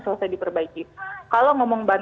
selesai diperbaiki kalau